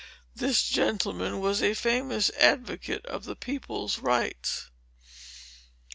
This gentleman was a famous advocate of the people's rights.